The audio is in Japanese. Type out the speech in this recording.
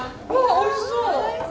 おいしそう。